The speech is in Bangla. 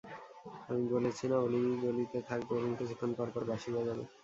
আমি বলেছি না, অলি-গলিতে থাকবে এবং কিছুক্ষণ পরপর বাঁশি বাজাবে?